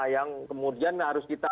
yang kemudian harus kita